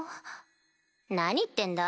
何言ってんだ？